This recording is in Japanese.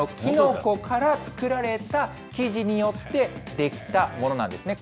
キノコから作られた生地によって、出来たものなんですね。